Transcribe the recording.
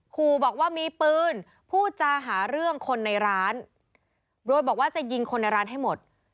ขู่บอกว่ามีปืนพูดจาหาเรื่องคนในร้านโดยบอกว่าจะยิงคนในร้านให้หมด